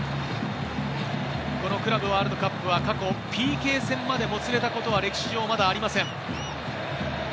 このクラブワールドカップは過去、ＰＫ戦までもつれたことは歴史上、まだありません。